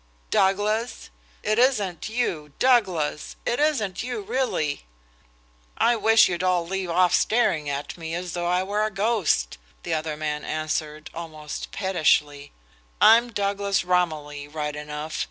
"Douglas! It isn't you, Douglas! ... It isn't you really?" "I wish you'd all leave off staring at me as though I were a ghost," the other man answered, almost pettishly. "I'm Douglas Romilly, right enough.